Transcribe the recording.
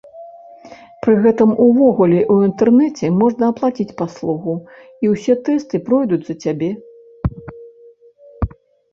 Пры гэтым увогуле ў інтэрнэце можна аплаціць паслугу, і ўсе тэсты пройдуць за цябе.